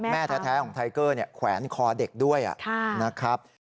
แม่แท้ของไทเกอร์แขวนคอเด็กด้วยนะครับ